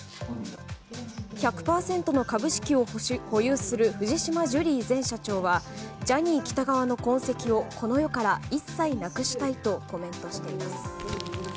１００％の株式を保有する藤島ジュリー前社長はジャニー喜多川の痕跡をこの世から一切なくしたいとコメントしています。